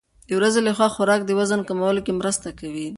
د ورځې لخوا خوراک د وزن کمولو کې مرسته کوي.